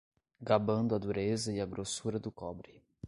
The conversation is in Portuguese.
Gabando a dureza e a grossura do cobre